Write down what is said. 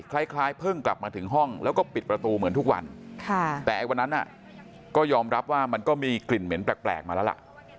คล้ายเพิ่งกลับมาถึงห้องแล้วก็ปิดประตูเหมือนทุกวันแต่ไอ้วันนั้นก็ยอมรับว่ามันก็มีกลิ่นเหม็นแปลกมาแล้วล่ะ